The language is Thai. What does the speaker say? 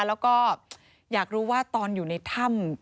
แล้วก็อยากรู้ว่าตอนอยู่ในถ้ำ